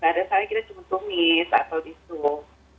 kadang kadang kita cuman tumis atau disus